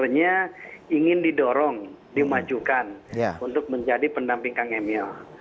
sebetulnya ingin didorong dimajukan untuk menjadi pendamping kang emil